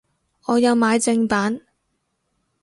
我有買正版